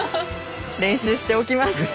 練習しておきます。